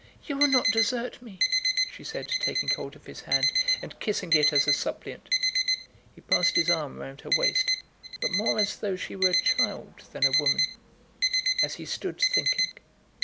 "You will not desert me!" she said, taking hold of his hand, and kissing it as a suppliant. He passed his arm round her waist, but more as though she were a child than a woman, as he stood thinking.